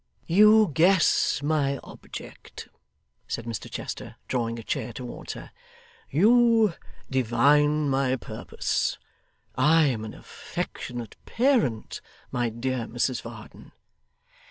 'You guess my object?' said Mr Chester, drawing a chair towards her. 'You divine my purpose? I am an affectionate parent, my dear Mrs Varden.